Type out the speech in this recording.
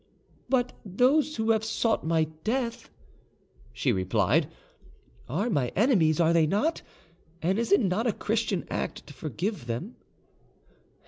"But those who have sought my death," she replied, "are my enemies, are they not, and is it not a Christian act to forgive them?"